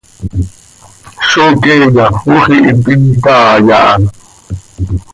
¡Zó queeya, ox ihiipe itaai aha!